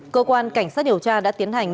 cơ quan cảnh sát điều tra đã tiến hành